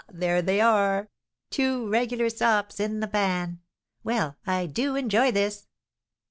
there they are! two regular sops, in the pan! Well, I do enjoy this!"